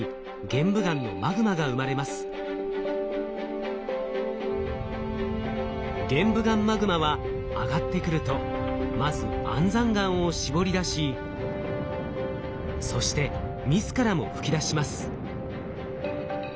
玄武岩マグマは上がってくるとまず安山岩を絞り出しそして自らも噴き出します。